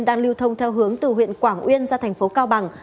đang lưu thông theo hướng từ huyện quảng uyên ra thành phố cao bằng